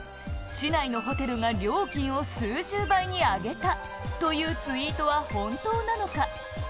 市内のホテルが料金を数十倍に上げたというツイートは本当なのか。